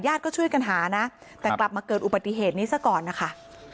ก็ช่วยกันหานะแต่กลับมาเกิดอุบัติเหตุนี้ซะก่อนนะคะ